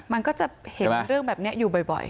มันก็จะเห็นเรื่องแบบนี้อยู่บ่อย